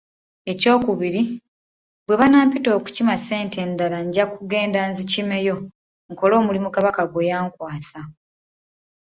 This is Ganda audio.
Ekyokubiri, bwe banampita okukima ssente endala nja kugenda nzikimeyo, nkole omulimu Kabaka gwe yankwasa.